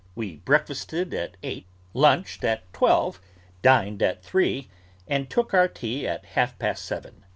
We breakfasted at eight, lunched at twelve, dined at three, and took our tea at half past seven.